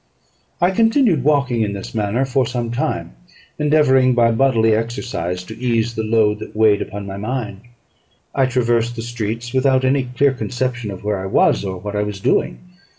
I continued walking in this manner for some time, endeavouring, by bodily exercise, to ease the load that weighed upon my mind. I traversed the streets, without any clear conception of where I was, or what I was doing.